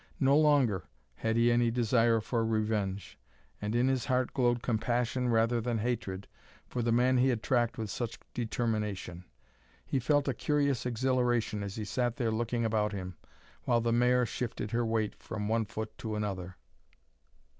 No longer had he any desire for revenge, and in his heart glowed compassion rather than hatred for the man he had tracked with such determination. He felt a curious exhilaration as he sat there looking about him, while the mare shifted her weight from one foot to another.